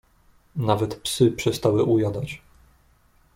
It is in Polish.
"Nawet psy przestały ujadać."